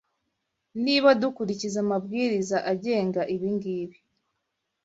Niba dukurikiza amabwiriza agenga ibingibi